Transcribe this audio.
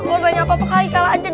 kalau banyak apa apa hai kak